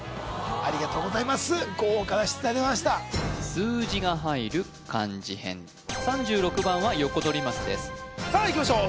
ありがとうございます豪華な出題でございました数字が入る漢字編３６番はヨコドリマスですさあいきましょう